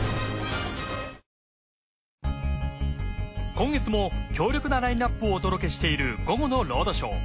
今月も強力なラインアップをお届けしている『午後のロードショー』。